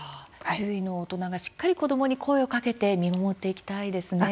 周囲の大人がしっかり子どもに声をかけて見守っていきたいですね。